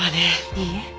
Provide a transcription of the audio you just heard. いいえ。